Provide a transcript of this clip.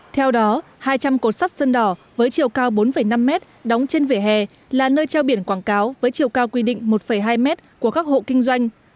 theo đó hai trăm linh cột sắt sơn đỏ với chiều cao bốn năm mét đóng trên vỉa hè là nơi treo biển quảng cáo với chiều cao quy định một hai m của các hộ kinh doanh